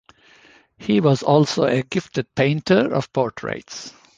He was also a gifted painter of portraits.